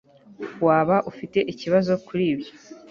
waba ufite ikibazo kuri ibyo